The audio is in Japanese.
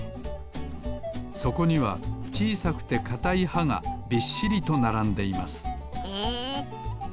そこにはちいさくてかたいはがびっしりとならんでいますへえ！